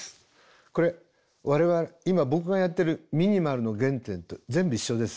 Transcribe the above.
これ今僕がやってるミニマルの原点と全部一緒です。